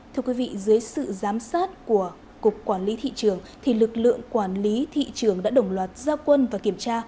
dưới sự giám sát của cục quản lý thị trường lực lượng quản lý thị trường đã đồng loạt giao quân và kiểm tra